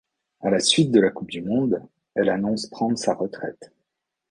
À la suite de la coupe du monde, elle annonce prendre sa retraite.